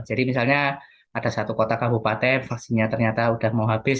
jadi misalnya ada satu kota kabupaten vaksinnya ternyata sudah mau habis